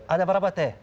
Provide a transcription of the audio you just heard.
ada berapa t